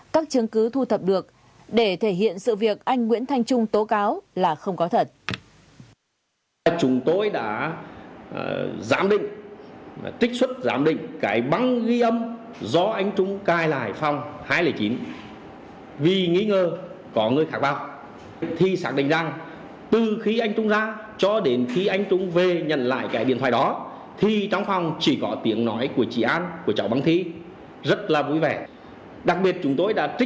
các chứng cứ thu thập được để thể hiện sự việc anh nguyễn thanh trung tố cáo là không có thật